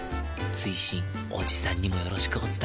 追伸おじさんにもよろしくお伝えください